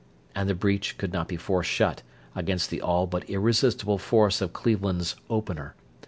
And the breach could not be forced shut against the all but irresistible force of Cleveland's "opener".